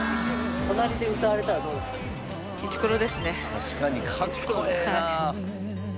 確かにかっこええな！